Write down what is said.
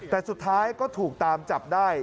แต่สุดท้ายก็ถูกตามจับได้